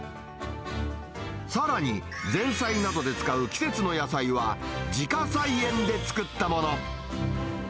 さらに前菜などで使う季節の野菜は、自家菜園で作ったもの。